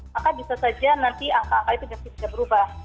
maka bisa saja nanti angka angka itu bisa berubah